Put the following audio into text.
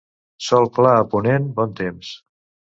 Sol clar a ponent, bon temps.